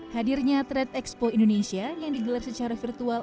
hadirnya trade expo indonesia yang digelar secara virtual